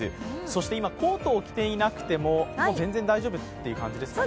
そして今、コートを着ていなくても全然大丈夫という感じですか。